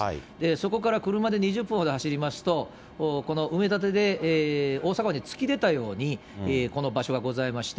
そこから車で２０分ほど走りますと、この埋め立てでおおさかわんのつきでたように、この場所がございまして、